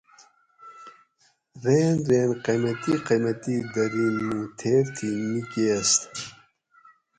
رین رین قیمتی قیمتی دھرین موں تھیر تھی نِیکیس